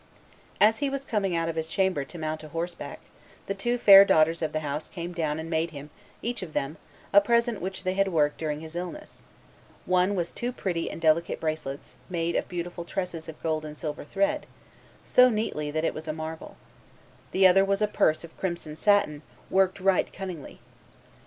As he was coming out of his chamber to mount a horseback, the two fair daughters of the house came down and made him, each of them, a present which they had worked during his illness; one was two pretty and delicate bracelets, made of beautiful tresses of gold and silver thread, so neatly that it was a marvel; the other was a purse of crimson satin, worked right cunningly.